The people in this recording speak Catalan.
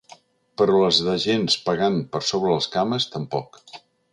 Però les d'agents pegant per sobre les cames, tampoc.